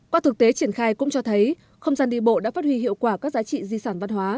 qua thực tế triển khai cũng cho thấy không gian đi bộ đã phát huy hiệu quả các giá trị di sản văn hóa